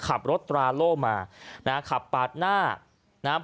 ขับรถตราโล่มานะฮะขับปาดหน้านะฮะ